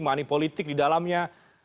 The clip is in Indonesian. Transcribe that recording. mani politik didalamnya